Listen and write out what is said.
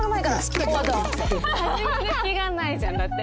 始める気がないじゃんだって。